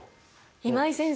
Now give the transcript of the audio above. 今井先生